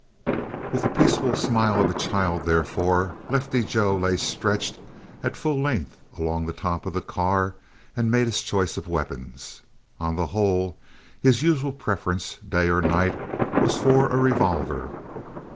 With the peaceful smile of a child, therefore, Lefty Joe lay stretched at full length along the top of the car and made his choice of weapons. On the whole, his usual preference, day or night, was for a revolver.